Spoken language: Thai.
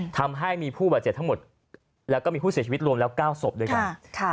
ทำให้มีผู้บาดเจ็บทั้งหมดแล้วก็มีผู้เสียชีวิตรวมแล้ว๙ศพด้วยกัน